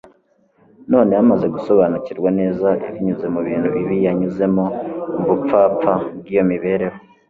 noneho amaze gusobanukirwa neza binyuze mu bintu bibi yanyuzemo mu bupfapfa bw'iyo mibereho